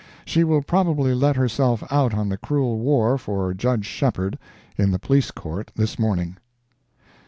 She will probably let herself out on the cruel war for Judge Shepheard, in the Police Court, this morning.